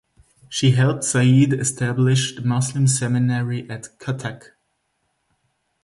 She helped Sayeed establish the Muslim Seminary at Cuttack.